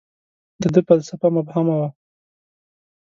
• د ده فلسفه مبهمه وه.